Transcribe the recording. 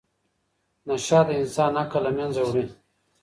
نشه د انسان عقل له منځه وړي.